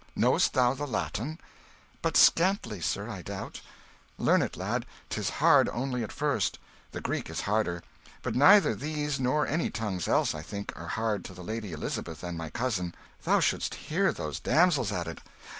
"Know'st thou the Latin?" "But scantly, sir, I doubt." "Learn it, lad: 'tis hard only at first. The Greek is harder; but neither these nor any tongues else, I think, are hard to the Lady Elizabeth and my cousin. Thou should'st hear those damsels at it!